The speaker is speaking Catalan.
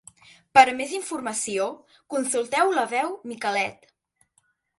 Per a més informació, consulteu la veu Micalet.